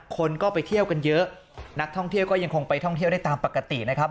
คนก็ไปเที่ยวกันเยอะนักท่องเที่ยวก็ยังคงไปท่องเที่ยวได้ตามปกตินะครับ